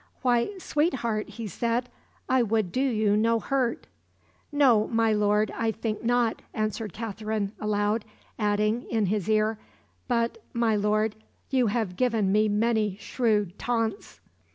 "Why, sweet heart," he said, "I would do you no hurt." "No, my lord, I think not," answered Katherine aloud, adding, in his ear, "but, my lord, you have given me many shrewd taunts."